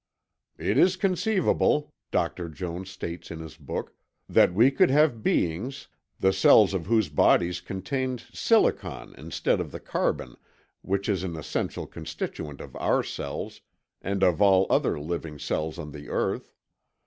"It is conceivable," Dr. Jones states in his book, "that we could have beings, the cells of whose bodies contained silicon instead of the carbon which is an essential constituent of our cells and of all other living cells on the earth.